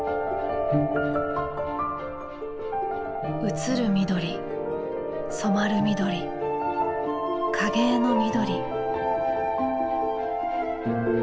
映る緑染まる緑影絵の緑。